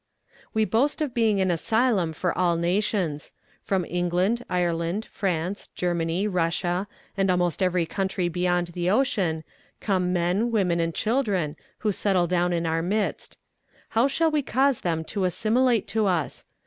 "We boast of being an asylum for all nations. From England, Ireland, France, Germany, Russia, and almost every country beyond the ocean, come men, women and children, who settle down in our midst. How shall we cause them to assimilate to us?